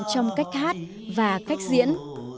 trong cách hát và cách diễn